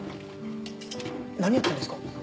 何やってんですか？